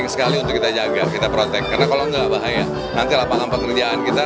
sekali untuk kita jaga kita protek karena kalau enggak bahaya nanti lapangan pekerjaan kita